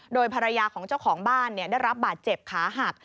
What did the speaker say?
โดยภรรยาของเจ้าของบ้านได้รับบาดเจ็บขาหัก